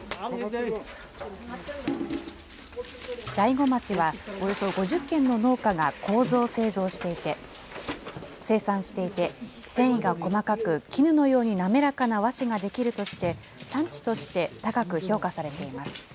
大子町は、およそ５０軒の農家がこうぞを生産していて、繊維が細かく、絹のように滑らかな和紙が出来るとして、産地として高く評価されています。